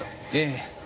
ええ。